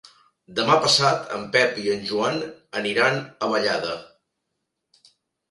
Demà passat en Pep i en Joan aniran a Vallada.